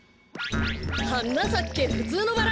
「はなさけふつうのバラ」